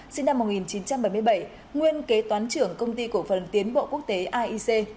sinh năm một nghìn chín trăm bảy mươi bảy nguyên kế toán trưởng công ty cổ phần tiến bộ quốc tế aic